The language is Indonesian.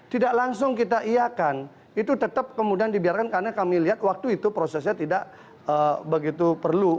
tidak langsung kita iakan itu tetap kemudian dibiarkan karena kami lihat waktu itu prosesnya tidak begitu perlu